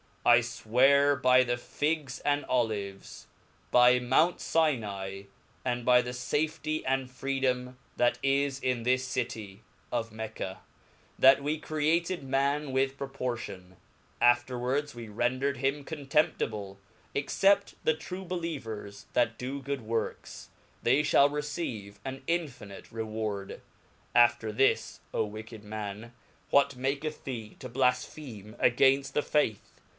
I fwear by the Figs and Olives, by Mount Sinai, and by the fafety and freedom that is in thistity [[of J^frc^'J that we created man with proportion, afterwards we rendred him contemptible, except the true believers that do good works^ they iliall receive an infinite reward. After this, fo wicked man J whatmaketh thee to blafpheme againft the Faith